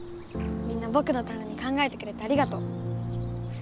みんなぼくのために考えてくれてありがとう。